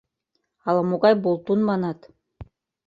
Ала-могай «болтун» манат.